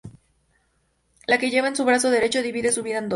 La que lleva en su brazo derecho... divide su vida en dos.